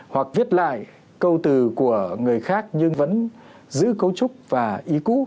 hoặc viết lại câu từ của người khác nhưng vẫn giữ cấu trúc và ý cũ